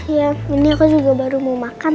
iya ini aku juga baru mau makan